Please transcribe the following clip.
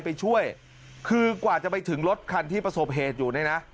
ไปช่วยคือกว่าจะไปถึงรถคันที่ประสบเหตุอยู่เนี่ยนะ